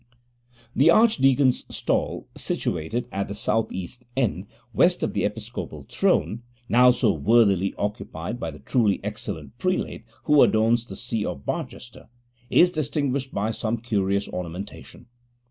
'The archdeacon's stall, situated at the south east end, west of the episcopal throne (now so worthily occupied by the truly excellent prelate who adorns the See of Barchester), is distinguished by some curious ornamentation.